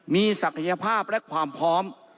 มีศักยภาพและความพร้อม